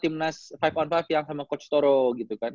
waktu itu tim lima on lima yang sama coach toro gitu kan